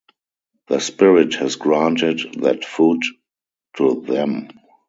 The spirit has granted that food to them.